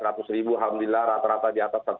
alhamdulillah rata rata di atas rp seratus